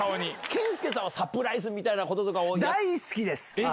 健介さんはサプライズみたい大好きです。